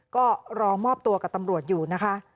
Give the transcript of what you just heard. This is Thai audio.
ก็รอมอบตัวกับตำรวจอยู่นะคะ